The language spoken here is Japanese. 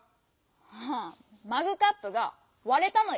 ああマグカップが「われた」のよ。